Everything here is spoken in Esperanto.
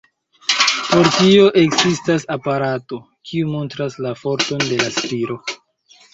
Por tio ekzistas aparato, kiu montras la forton de la spiro.